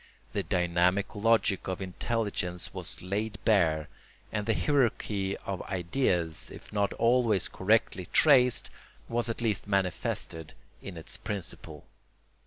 The dynamic logic of intelligence was laid bare, and the hierarchy of ideas, if not always correctly traced, was at least manifested in its principle.